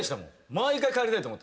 毎回帰りたいと思ってましたよ。